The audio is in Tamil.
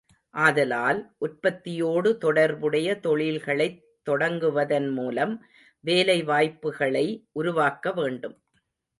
ஆதலால், உற்பத்தியோடு தொடர்புடைய தொழில்களைத் தொடங்குவதன் மூலம் வேலை வாய்ப்புகளை உருவாக்க வேண்டும்.